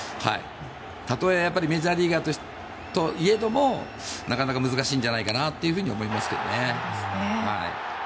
たとえメジャーリーガーといえどもなかなか難しいんじゃないかなと思いますけどね。